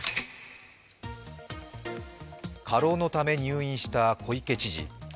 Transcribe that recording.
過労のため入院した小池知事。